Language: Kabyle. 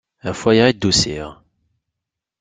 Ɣef waya ay d-usiɣ.